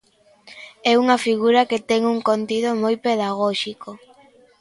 É unha figura que ten un contido moi pedagóxico.